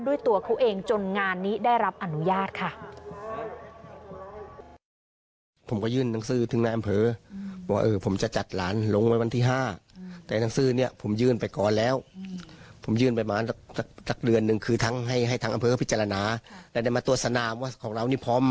ด้วยตัวเขาเองจนงานนี้ได้รับอนุญาตค่ะ